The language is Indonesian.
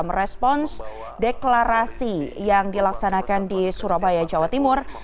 merespons deklarasi yang dilaksanakan di surabaya jawa timur